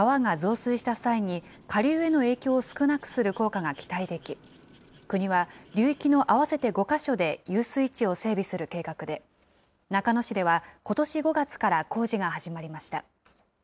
川が増水した際に下流への影響を少なくする効果が期待でき、国は流域の合わせて５か所で遊水地を整備する計画で、中野市では、ことし５月から工事が始まりました。